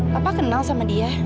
papa kenal sama dia